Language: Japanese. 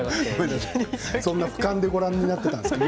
そんなふかんでご覧になっていたんですね。